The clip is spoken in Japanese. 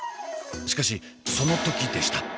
しかしその時でした。